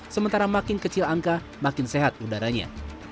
sementara makin kecil angka makin sehat udaranya